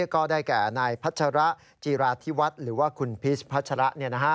ก็ได้แก่นายพัชระจีราธิวัฒน์หรือว่าคุณพีชพัชระ